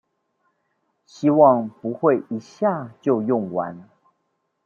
希望不會一下就用完